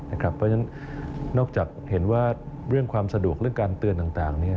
เพราะฉะนั้นนอกจากเห็นว่าเรื่องความสะดวกเรื่องการเตือนต่าง